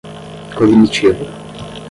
cognitiva